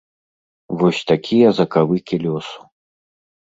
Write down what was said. Вось такія закавыкі лёсу.